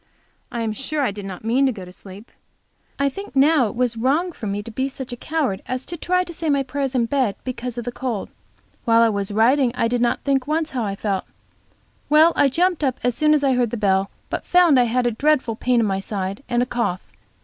I am sure I did not mean to go to sleep. I think now it was wrong for me to be such a coward as to try to say my prayers in bed because of the cold. While I was writing I did not once think how I felt. Well, I jumped up as soon as I heard the bell, but found I had a dreadful pain in my side, and a cough.